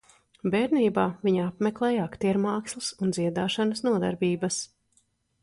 Bērnībā, viņa apmeklēja aktiermākslas un dziedāšanas nodarbības.